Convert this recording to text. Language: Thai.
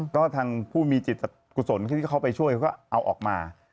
ก็ทางผู้มีจิตกุศลที่เขาไปช่วยเขาก็เอาออกมา